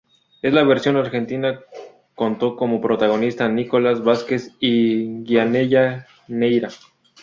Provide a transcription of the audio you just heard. En la versión argentina contó como protagonistas a Nicolás Vázquez y Gianella Neyra.